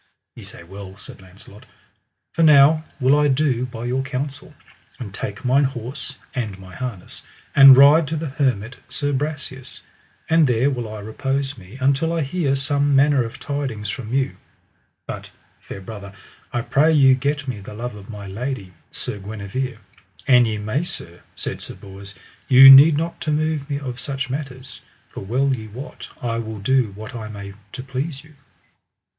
Ye say well, said Launcelot, for now will I do by your counsel, and take mine horse and my harness, and ride to the hermit Sir Brasias, and there will I repose me until I hear some manner of tidings from you; but, fair brother, I pray you get me the love of my lady, Queen Guenever, an ye may. Sir, said Sir Bors, ye need not to move me of such matters, for well ye wot I will do what I may to please you.